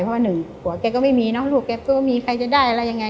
เพราะว่าหนึ่งผัวแกก็ไม่มีเนอะลูกแกก็ไม่มีใครจะได้อะไรยังไง